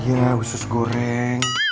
iya khusus goreng